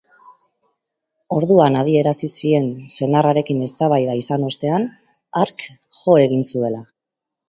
Orduan adierazi zien senarrarekin eztabaida izan ostean, hark jo egin zuela.